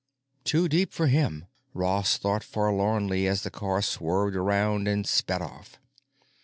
Too deep for him, Ross thought forlornly as the car swerved around and sped off.